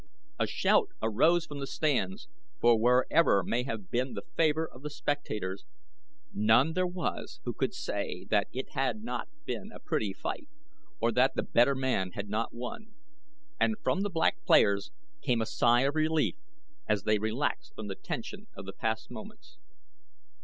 A shout arose from the stands, for wherever may have been the favor of the spectators, none there was who could say that it had not been a pretty fight, or that the better man had not won. And from the Black players came a sigh of relief as they relaxed from the tension of the past moments.